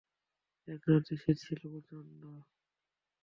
এক রাতে শীত ছিল প্রচণ্ড।